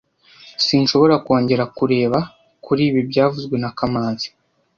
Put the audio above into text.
Sinshobora kongera kureba kuri ibi byavuzwe na kamanzi